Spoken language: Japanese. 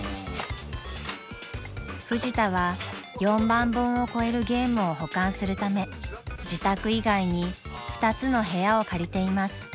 ［フジタは４万本を超えるゲームを保管するため自宅以外に２つの部屋を借りています］